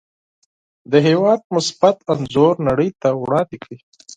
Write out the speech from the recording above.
د هېواد مثبت انځور نړۍ ته وړاندې کړئ.